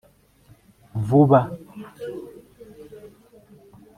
vuba